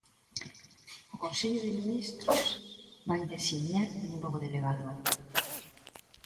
O Consello de Ministros vai designar un novo delegado.